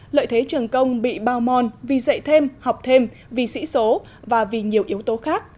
lợi thế trường công bị bao mòn vì dạy thêm học thêm vì sĩ số và vì nhiều yếu tố khác